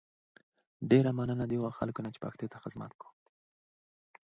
ډیره مننه له هغو وګړو چې پښتو ته چوپړ کوي